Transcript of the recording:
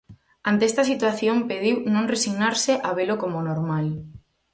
Ante esta situación pediu "non resignarse a velo como normal".